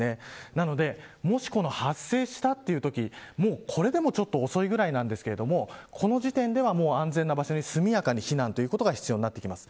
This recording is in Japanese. なので、もし発生したというときこれでも遅いぐらいなんですけどこの時点では安全な場所に速やかに避難ということが必要になってきます。